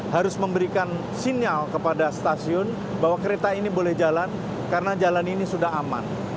harus memberikan sinyal kepada stasiun bahwa kereta ini boleh jalan karena jalan ini sudah aman